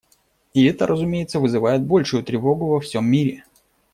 И это, разумеется, вызывает большую тревогу во всем мире.